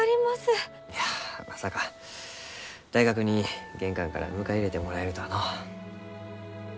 いやまさか大学に玄関から迎え入れてもらえるとはのう。